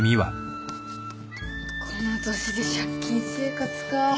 この年で借金生活か。